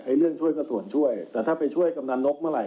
เรื่องช่วยก็ส่วนช่วยแต่ถ้าไปช่วยกำนันนกเมื่อไห